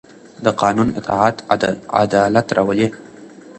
د قانون اطاعت عدالت راولي